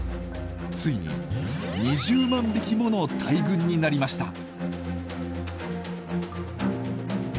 ついに２０万匹もの大群になりました。